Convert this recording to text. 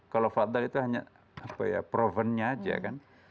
kalau fatwa itu hanya provennya aja kan